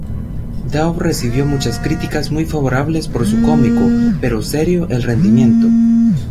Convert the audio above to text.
Dow recibió muchas críticas muy favorables por su cómico, pero serio, el rendimiento.